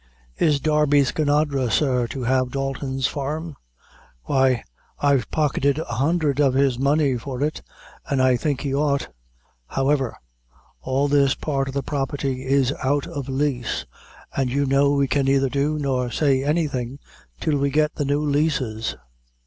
"Is Darby Skinadre, sir, to have Dalton's farm?" "Why, I've pocketed a hundred of his money for it, an' I think he ought. However, all this part of the property is out of lease, and you know we can neither do nor say anything till we get the new leases."